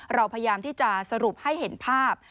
เราพยายามที่จะสรุปให้เห็นภาพ